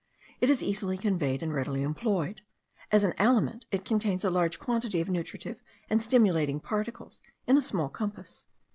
It is easily conveyed and readily employed: as an aliment it contains a large quantity of nutritive and stimulating particles in a small compass.